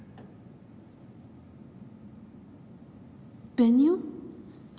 ベニオ？